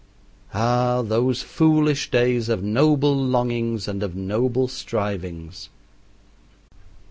Ah, those foolish days of noble longings and of noble strivings!